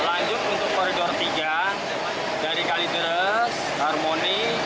lanjut untuk koridor tiga dari kalideres harmoni